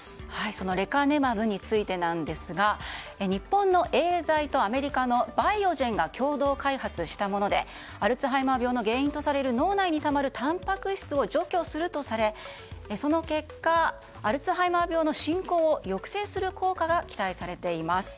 そのレカネマブについてですが日本のエーザイとアメリカのバイオジェンが共同開発したものでアルツハイマー病の原因とされる脳内にたまるたんぱく質を除去するとされその結果アルツハイマー病の進行を抑制する効果が期待されています。